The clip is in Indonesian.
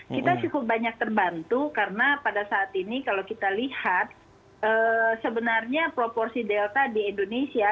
kita cukup banyak terbantu karena pada saat ini kalau kita lihat sebenarnya proporsi delta di indonesia